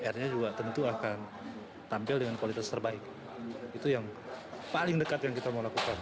r nya juga tentu akan tampil dengan kualitas terbaik itu yang paling dekat yang kita mau lakukan